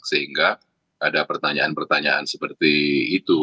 sehingga ada pertanyaan pertanyaan seperti itu